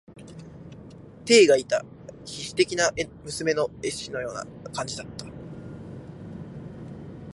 てえがいた、稗史的な娘の絵姿のような感じだった。